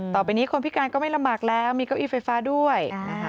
ต่อไปนี้คนพิการก็ไม่ลำบากแล้วมีเก้าอี้ไฟฟ้าด้วยนะคะ